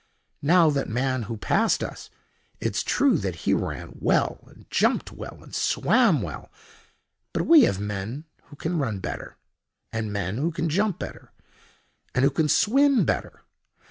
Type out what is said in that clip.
Now that man who passed us—it's true that he ran well, and jumped well, and swam well; but we have men who can run better, and men who can jump better, and who can swim better.